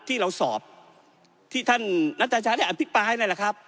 ที่เราสอบที่ท่านนัทธาชาได้อภิกษาให้ได้แหละครับ